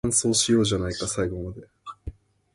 The test is performed on a dry road surface.